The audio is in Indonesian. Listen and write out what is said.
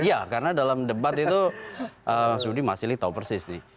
iya karena dalam debat itu sudi mas ili tahu persis nih